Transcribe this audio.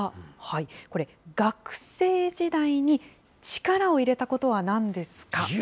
これ、学生時代に力を入れたことはなんですか？